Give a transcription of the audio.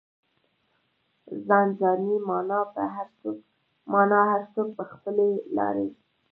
ځان ځاني مانا هر څوک په خپلې لارې.